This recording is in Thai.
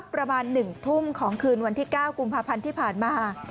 ประมาณ๑ทุ่มของคืนวันที่๙กุมภาพันธ์ที่ผ่านมา